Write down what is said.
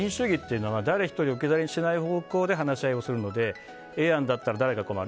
誰一人置き去りにしない方向で話し合いをするのでＡ案だったら誰が困る？